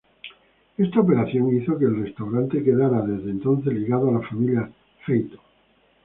Esta operación hizo que el restaurante quedara desde entonces ligado a la familia "Feito".